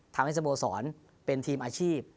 ทำให้สโบสรเป็นทีมอาชีพ